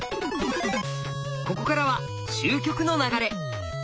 ここからは終局の流れ。